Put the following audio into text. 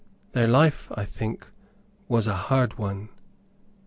Their life, I think, was a hard one.